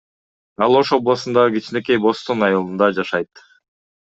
Ал Ош облусундагы кичинекей Бостон айылында жашайт.